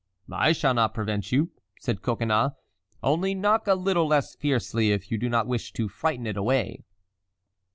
"I shall not prevent you," said Coconnas, "only knock a little less fiercely if you do not wish to frighten it away."